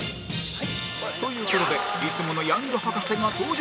という事でいつものヤング博士が登場